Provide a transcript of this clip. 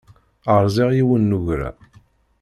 Rẓiɣ yiwen n ugra.